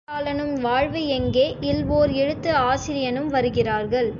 சிநேகிதி யில் ஓர் எழுத்தாளனும் வாழ்வு எங்கே? யில் ஓர் எழுத்து ஆசிரியனும் வருகிறார்கள்...!